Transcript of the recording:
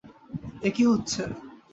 এ কী হচ্ছে?